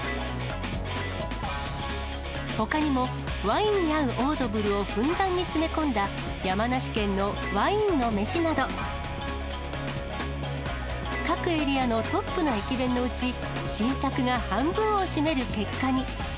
ほかにも、ワインに合うオードブルをふんだんに詰め込んだ、山梨県のワインのめしなど、各エリアのトップの駅弁のうち、新作が半分を占める結果に。